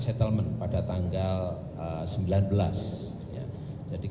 bu menkes layanan publik